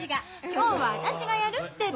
今日は私がやるってば。